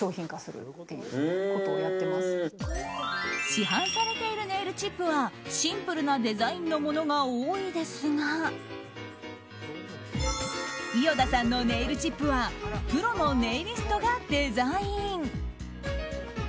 市販されているネイルチップはシンプルなデザインのものが多いですが伊與田さんのネイルチップはプロのネイリストがデザイン。